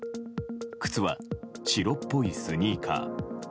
靴は白っぽいスニーカー。